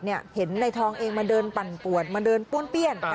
เห็นในทองเองมาเดินปั่นปวดมาเดินป้วนเปี้ยน